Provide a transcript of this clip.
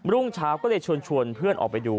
รุ่งเช้าก็เลยชวนเพื่อนออกไปดู